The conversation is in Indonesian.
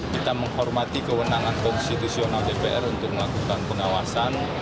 kita menghormati kewenangan konstitusional dpr untuk melakukan pengawasan